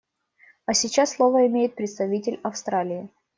А сейчас слово имеет представитель Австралии.